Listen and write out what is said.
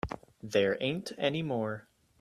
There ain't any more.